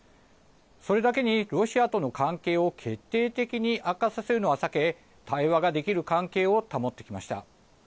それだけにロシアとの関係を決定的に悪化させるのは避け対話ができる関係を保ってきました。